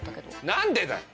何でだよ。